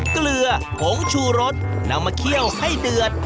เกลือผงชูรสนำมาเคี่ยวให้เดือด